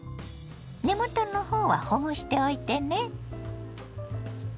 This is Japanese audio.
根元のほうはほぐしておいてね。